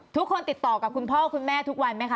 ทุกคนติดต่อกับคุณพ่อคุณแม่ทุกวันไหมคะ